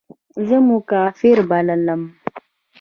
زه مو کافر بللم.